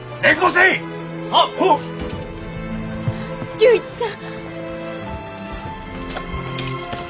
龍一さん。